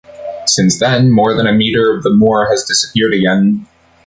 Since then, more than a meter of the moor has disappeared again.